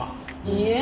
いいえ。